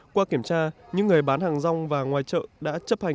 qua kiểm tra những người bán hàng rong và ngoài chợ đã chấp hành